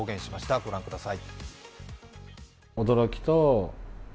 ご覧ください。